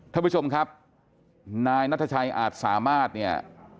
ท่านผู้ชมครับนายนัทชัยอาจสามารถเนี่ย